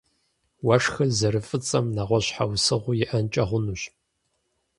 Уэшхыр зэрыфӀыцӀэм нэгъуэщӀ щхьэусыгъуи иӀэнкӀэ хъунущ.